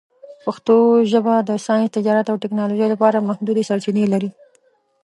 پښتو ژبه د ساینس، تجارت، او ټکنالوژۍ لپاره محدودې سرچینې لري.